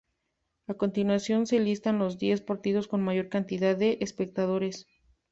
A continuación se listan los diez partidos con mayor cantidad de espectadores.